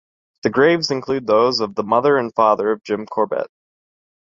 The graves include those of the mother and father of Jim Corbett.